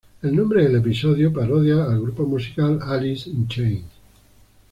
El nombre del episodio parodia al grupo musical Alice in Chains.